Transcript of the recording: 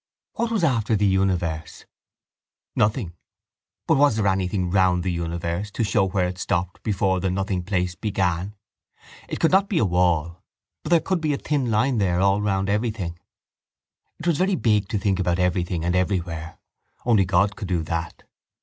What was after the universe? Nothing. But was there anything round the universe to show where it stopped before the nothing place began? It could not be a wall but there could be a thin thin line there all round everything. It was very big to think about everything and everywhere. Only God could do that.